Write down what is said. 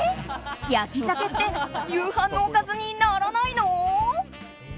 焼き鮭って夕飯のおかずにならないの？